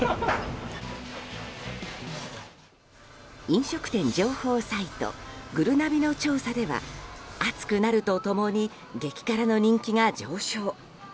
飲食店情報サイトぐるなびの調査では暑くなると共に激辛の人気が上昇。